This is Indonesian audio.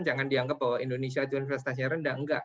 jangan dianggap bahwa indonesia itu investasinya rendah enggak